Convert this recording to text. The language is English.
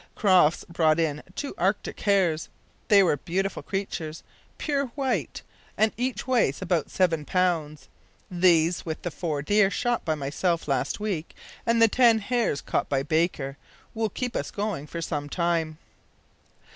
Crofts brought in two Arctic hares. They are beautiful creatures pure white and each weighs about seven pounds. These, with the four deer shot by myself last week and the ten hares got by Baker, will keep us going for some time.